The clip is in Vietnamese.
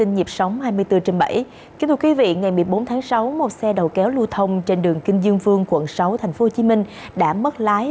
ngày một mươi bốn tháng sáu một xe đầu kéo lưu thông trên đường kinh dương vương quận sáu tp hcm đã mất lái